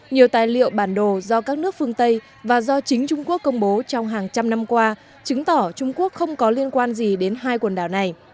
nhiều tài liệu bản đồ do các nước phương tây và do chính trung quốc công bố trong hàng trăm năm qua chứng tỏ trung quốc không có liên quan gì đến hai quần đảo này